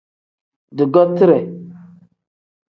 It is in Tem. Dugotire.